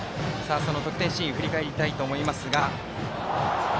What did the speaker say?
得点シーン振り返りたいと思いますが。